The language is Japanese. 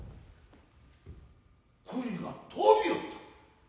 栗が飛びおった。